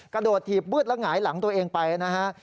กระโดดถีบวึดแล้วหงายหลังตัวเองไปนะฮะ